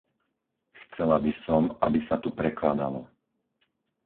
Chcela by som, aby sa tu prekladalo.